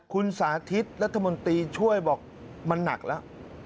คุณสาธิตรัฐมนตรีช่วยบอกมันหนักแล้ว